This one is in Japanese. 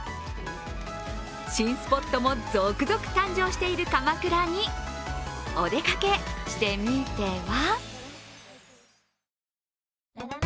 新スポットも続々誕生している鎌倉にお出かけしてみては？